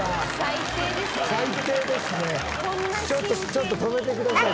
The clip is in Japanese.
ちょっと止めてください。